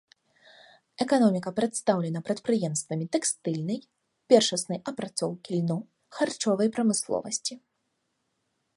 Эканоміка прадстаўлена прадпрыемствамі тэкстыльнай, першаснай апрацоўкі льну, харчовай прамысловасці.